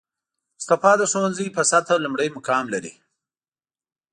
مصطفی د ښوونځي په سطحه لومړی مقام لري